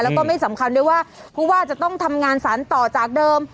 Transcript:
แล้วก็ไม่สำคัญด้วยว่าผู้ว่าจะต้องทำงานสารต่อจากเดิม